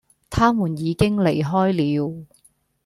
他們已經離開了